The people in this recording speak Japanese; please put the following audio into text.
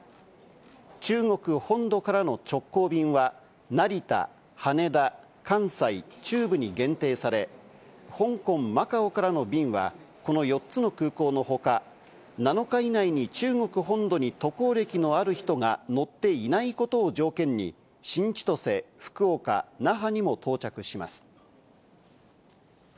中国本土からの直行便は成田、羽田、関西、中部に限定され、香港・マカオからの便は、この４つの空港のほか、７日以内に中国本土に渡航歴のある人が乗っていないことを条件に、新千歳、福岡、那覇にも到着します。